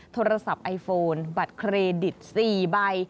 โทรศัพท์ไอโฟนบัตรเครดิต๔ใบ